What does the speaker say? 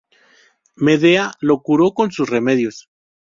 Medea lo curó con sus remedios.